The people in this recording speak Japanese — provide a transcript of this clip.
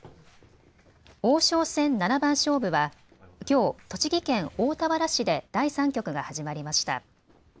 王将戦七番勝負はきょう栃木県大田原市で第３局が始まりました。